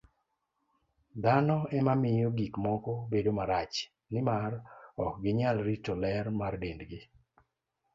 Dhano ema miyo gik moko bedo marach, nimar ok ginyal rito ler mar dendgi.